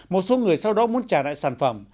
một số người sau đó muốn trả lại sản phẩm